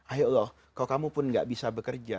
ayo loh kalau kamu pun gak bisa bekerja